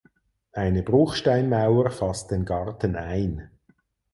Eine Bruchsteinmauer fasst den Garten ein.